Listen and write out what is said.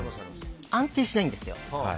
安定しないんですよ。